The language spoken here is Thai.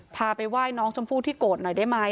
พาไปไหว้น้องชมพู่ที่โกรธหน่อยได้ไหม